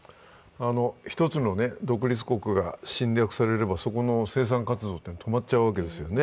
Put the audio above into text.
１つの独立国が侵略されれば、そこの生産活動は止まっちゃうわけですよね。